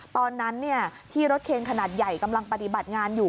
ตอนนั้นที่รถเคนขนาดใหญ่กำลังปฏิบัติงานอยู่